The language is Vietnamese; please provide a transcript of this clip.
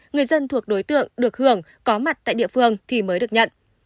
người dân thuộc đối tượng được hưởng có mặt tại địa phương thì mới được nhận